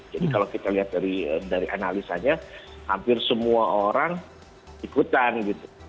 jadi kalau kita lihat dari analisanya hampir semua orang ikutan gitu